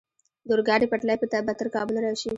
د اورګاډي پټلۍ به تر کابل راشي؟